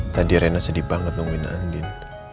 tadi rena sedih banget nungguin